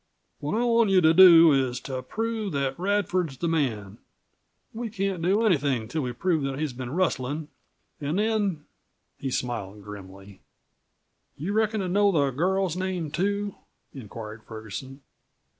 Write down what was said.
"What I want you to do is to prove that Radford's the man. We can't do anything until we prove that he's been rustlin'. An' then " He smiled grimly. "You reckon to know the girl's name too?" inquired Ferguson.